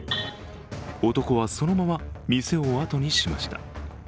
男はそのまま店を後にしました。